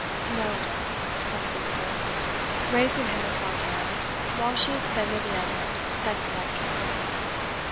"No, Dudley!" said Elizabeth, raising him with one hand, while she extended the other that he might kiss it.